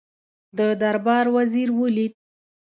د دربار وزیر ولید.